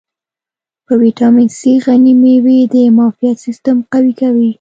په ویټامین C غني مېوې د معافیت سیستم قوي کوي.